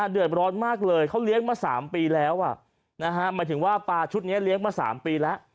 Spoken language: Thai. เดือดร้อนมากเลยเขาเลี้ยงมา๓ปีแล้วหมายถึงว่าปลาชุดนี้เลี้ยงมา๓ปีแล้ว